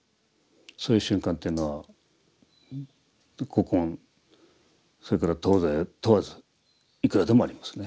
そういう瞬間っていうのは古今それから東西を問わずいくらでもありますね。